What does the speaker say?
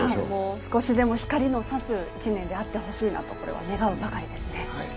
少しでも光の差す１年であってほしいなと願うばかりですね。